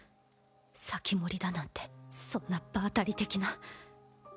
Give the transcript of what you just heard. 防人だなんてそんな場当たり的な。